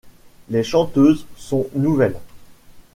Les chanteuses sont nouvelles.